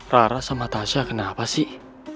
rara sama tasha kenapa sih